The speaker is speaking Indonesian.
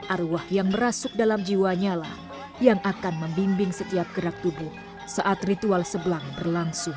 arwah yang merasuk dalam jiwanya lah yang akan membimbing setiap gerak tubuh saat ritual sebelang berlangsung